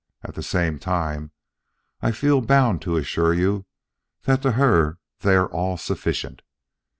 At the same time, I feel bound to assure you that to her they are all sufficient.